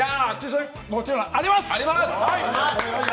もちろんあります！